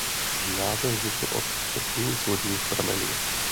Název vznikl od četných vodních pramenů.